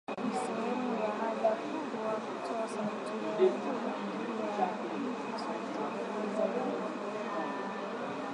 Sehemu ya haja kubwa kutoa sauti hewa inapoingia na kutoka ni dalili za ugonjwa